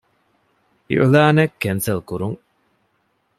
އިޢުލާނެއް ކެންސަލް ކުރުން